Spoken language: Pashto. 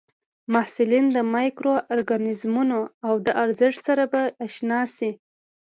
محصلین د مایکرو ارګانیزمونو او د ارزښت سره به اشنا شي.